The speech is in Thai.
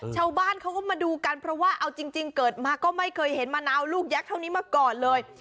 ชาวบ้านเขาก็มาดูกันเพราะว่าเอาจริงเกิดมาก็ไม่เคยเห็นมะนาวลูกยักษ์เท่านี้มาก่อนเลย